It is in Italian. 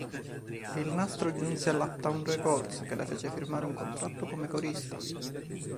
Il nastro giunse alla Uptown Records, che le fece firmare un contratto come corista.